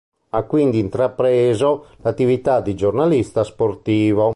Ha quindi intrapreso l'attività di giornalista sportivo.